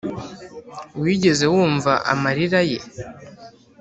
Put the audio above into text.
wigeze wumva amarira ye